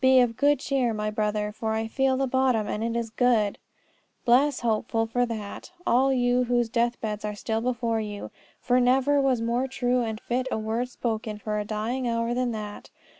"Be of good cheer, my brother, for I feel the bottom, and it is good!" Bless Hopeful for that, all you whose deathbeds are still before you. For never was more true and fit word spoken for a dying hour than that.